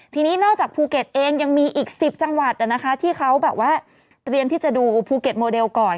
ทีนี้นอกจากภูเก็ตเองยังมีอีก๑๐จังหวัดที่เขาแบบว่าเตรียมที่จะดูภูเก็ตโมเดลก่อน